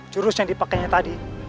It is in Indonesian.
jurus yang dipakainya tadi